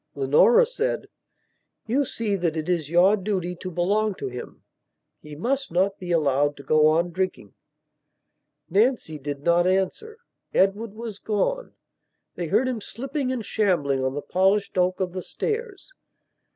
Leonora said: "You see that it is your duty to belong to him. He must not be allowed to go on drinking." Nancy did not answer. Edward was gone; they heard him slipping and shambling on the polished oak of the stairs.